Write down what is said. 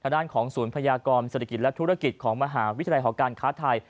ด้านของศูนย์พยากรเศรษฐกิจและธุรกิจของมหาวิทยาลัยหอการค้าไทย